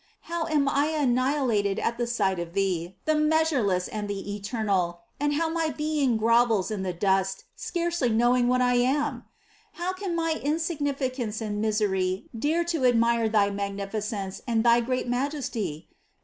How am I annihilated at the sight of Thee, the Measureless and the Eternal, and how my being grovels in the dust, scarcely knowing what I am ! How can my insignificance and misery dare to admire thy magnificence and thy great majesty?